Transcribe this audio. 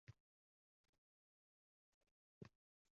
Samaradorlikka qisqa fursatda erishni ta’minlovchi ekspress trening